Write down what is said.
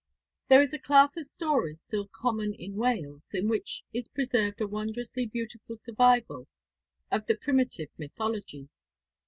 There is a class of stories still common in Wales, in which is preserved a wondrously beautiful survival of the primitive mythology.